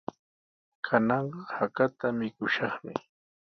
Kananqa hakata mikushaqmi.